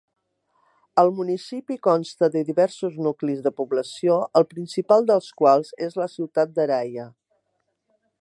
El municipi consta de diversos nuclis de població, el principal dels quals és la ciutat d'Araia.